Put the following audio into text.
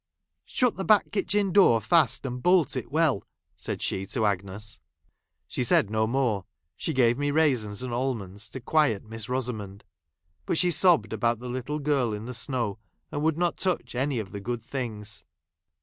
" Shut the back kitchen door fast, and ' bolt it well," said she to Agnes. She said no more ; she gave me raisins and almonds to quiet Miss Eosamond : but she sobbed ' about the little girl in the snow, and would not touch any of the good things.